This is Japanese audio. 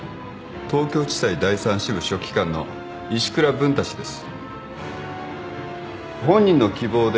東京地裁第３支部書記官の石倉文太氏です。